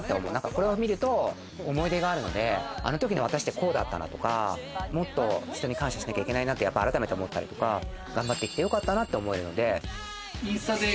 これを見ると思い出があるので、あの時の私ってこうだったとか、人に感謝しなきゃいけないなって改めて思ったり、頑張って生きてきてよかったなって思うので。